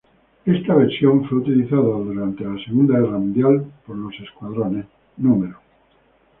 Esta versión fue utilizada durante la Segunda Guerra Mundial por los escuadrones No.